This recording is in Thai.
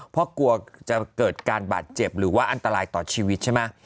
เพราะกลัวจะเกิดการบาดเจ็บหรือว่าอันตรายต่อชีวิตใช่ไหม